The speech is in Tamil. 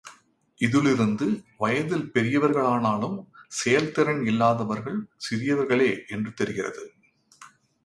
இதிலிருந்து வயதில் பெரியவர்கள் ஆனாலும், செயல்திறன் இல்லாதவர்கள் சிறியவர்களே என்று தெரிகிறது.